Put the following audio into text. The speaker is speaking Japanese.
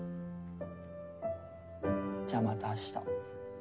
じゃあまた明日。